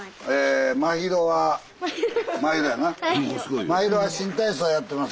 真優は新体操やってます。